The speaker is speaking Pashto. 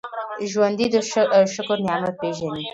ژوندي د شکر نعمت پېژني